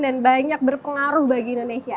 dan banyak berpengaruh bagi indonesia